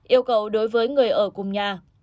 yêu cầu đối với người ở cùng nhà